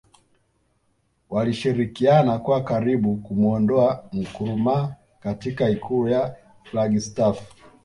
Walishirikiana kwa karibu kumuondoa Nkrumah katika ikulu ya Flagstaff